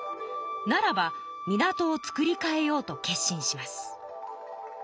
ならば港を造りかえようと決心します。